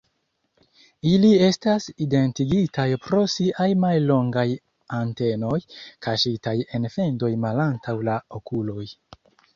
Ili estas identigitaj pro siaj mallongaj antenoj, kaŝitaj en fendoj malantaŭ la okuloj.